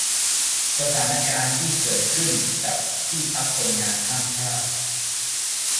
สถานการณ์ที่เกิดขึ้นกับที่พักคนงานข้ามชาติ